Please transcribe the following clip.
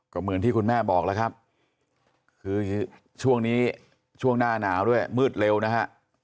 ก็เหมือนที่คุณแม่บอกแล้วครับคือช่วงนี้ช่วงหน้าหนาวด้วยมืดเร็วนะฮะ